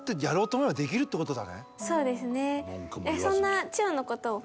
そうですね。